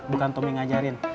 bukan tommy ngajarin